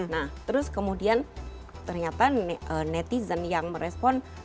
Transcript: nah terus kemudian ternyata netizen yang merespon